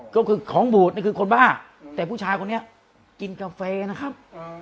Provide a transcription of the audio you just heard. ก็คือของบูดนี่คือคนบ้าแต่ผู้ชายคนนี้กินกาแฟนะครับ